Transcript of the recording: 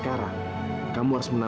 tante mau pergi